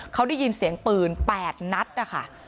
เขาได้ยินเสียงปืน๘นัดนะคะ